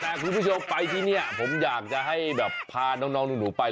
แต่คุณผู้ชมไปที่นี่ผมอยากจะให้แบบพาน้องหนูไป